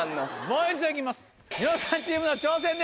もう一度いきます。